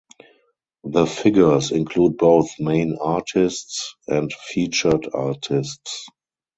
The figures include both main artists and featured artists.